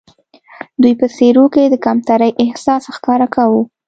دوی په څېرو کې د کمترۍ احساس ښکاره کاوه.